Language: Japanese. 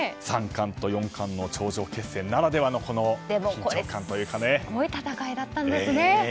三冠と四冠の頂上決戦ならではのすごい戦いだったんですね。